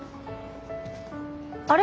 あれ？